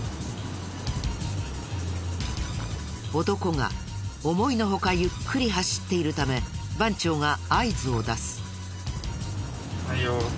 男が思いのほかゆっくり走っているため番長が合図を出す。